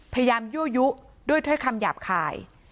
พยายามยั่วยุด้วยถ้อยคำหยาบคาย